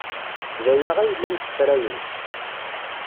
D aya ay llan ssefrayen.